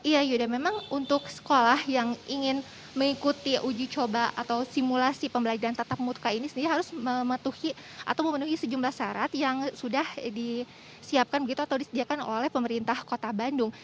iya yuda memang untuk sekolah yang ingin mengikuti uji coba atau simulasi pembelajaran tatap muka ini sendiri harus mematuhi atau memenuhi sejumlah syarat yang sudah disiapkan begitu atau disediakan oleh pemerintah kota bandung